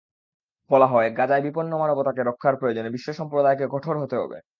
বলা হয়, গাজায় বিপন্ন মানবতাকে রক্ষার প্রয়োজনে বিশ্ব সম্প্রদায়কে কঠোর হতে হবে।